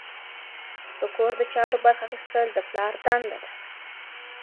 د کور د چارو برخه اخیستل د پلار دنده ده.